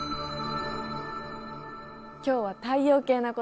今日は太陽系のこと